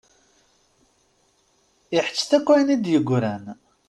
Iḥettet akk ayen i d-yeggran.